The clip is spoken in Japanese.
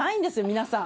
皆さん。